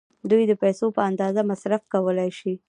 دوی د پیسو په اندازه مصرف کولای شي.